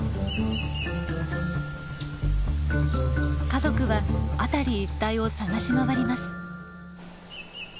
家族は辺り一帯を探し回ります。